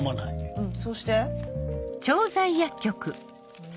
うんそうして。